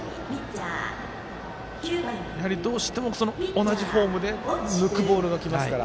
どうしても同じフォームで抜くボールがきますから。